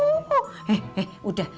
eh eh udah